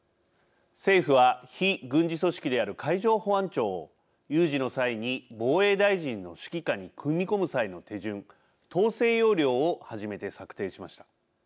政府は非軍事組織である海上保安庁を有事の際に防衛大臣の指揮下に組み込む際の手順統制要領を初めて策定しました。